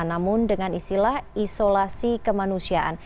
namun dengan istilah isolasi kemanusiaan